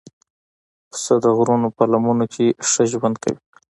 پسه د غرونو په لمنو کې ښه ژوند کوي.